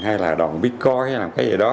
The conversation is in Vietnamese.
hay là đòn bitcoin hay làm cái gì đó